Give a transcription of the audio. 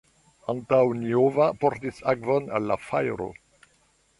Antoniova portis akvon al la fajro.